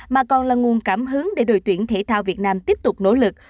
mà còn là nguồn cảm hứng để đội tuyển thể thao việt nam tiếp tục nỗ lực